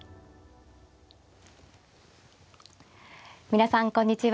皆さんこんにちは。